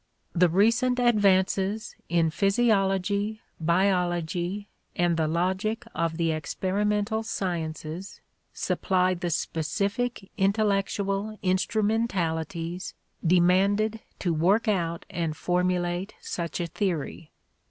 The recent advances in physiology, biology, and the logic of the experimental sciences supply the specific intellectual instrumentalities demanded to work out and formulate such a theory.